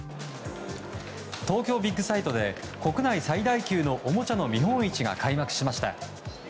東京ビッグサイトで国内最大級のおもちゃの見本市が開幕しました。